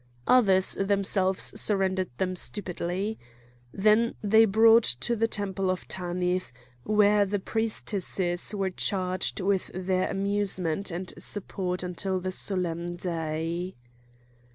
Others themselves surrendered them stupidly. Then they were brought to the temple of Tanith, where the priestesses were charged with their amusement and support until the solemn day.